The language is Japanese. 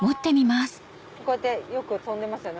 こうやってよく飛んでますよね